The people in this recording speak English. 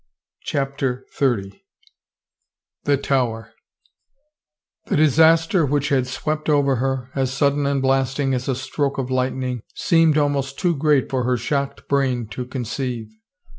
CHAPTER XXX THE TOWER M^^^E disaster which had swept over her, as sudden M C^ and blasting as a stroke of lightning, seemed ^^^^ almost too great for her shocked brain to con ceive.